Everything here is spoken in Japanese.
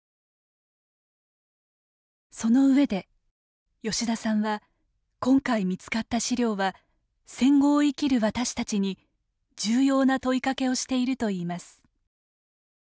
その上で吉田さんは今回見つかった史料は戦後を生きる私たちに重要な問いかけをしているといいます。